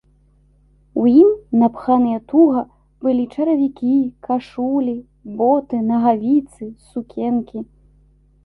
У ім, напханыя туга, былі чаравікі, кашулі, боты, нагавіцы, сукенкі.